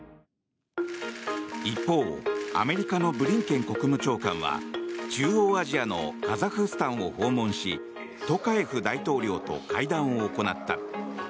一方、アメリカのブリンケン国務長官は中央アジアのカザフスタンを訪問しトカエフ大統領と会談を行った。